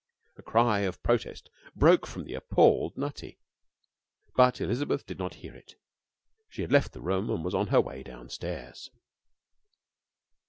A cry of protest broke from the appalled Nutty, but Elizabeth did not hear it. She had left the room and was on her way downstairs.